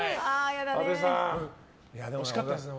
阿部さん、惜しかったですよね。